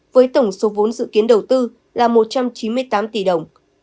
với tổng số vốn dự kiến đầu tư là một trăm chín mươi tám tỷ đồng